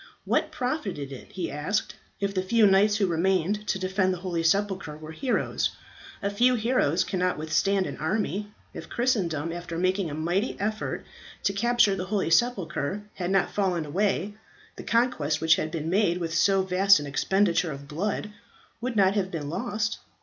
"What profited it," he asked, "if the few knights who remained to defend the holy sepulchre were heroes? A few heroes cannot withstand an army. If Christendom after making a mighty effort to capture the holy sepulchre had not fallen away, the conquest which had been made with so vast an expenditure of blood would not have been lost.